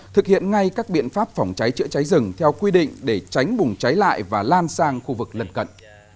thực hiện ngay các biện pháp phòng cháy chữa cháy rừng theo quy định để tránh bùng cháy lại và lan sang khu vực lần cận